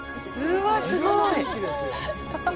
うわ、すごい。